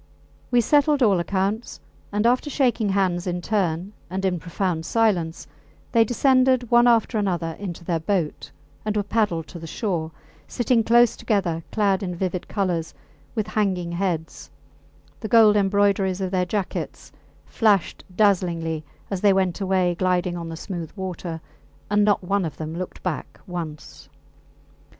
We settled all accounts, and after shaking hands in turn and in profound silence, they descended one after another into their boat, and were paddled to the shore, sitting close together, clad in vivid colours, with hanging heads: the gold embroideries of their jackets flashed dazzlingly as they went away gliding on the smooth water, and not one of them looked back once.